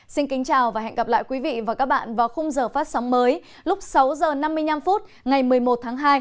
xin kính chào và hẹn gặp lại quý vị và các bạn vào khung giờ phát sóng mới lúc sáu h năm mươi năm phút ngày một mươi một tháng hai